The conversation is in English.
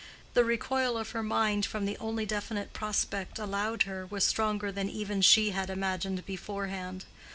The recoil of her mind from the only definite prospect allowed her, was stronger than even she had imagined beforehand.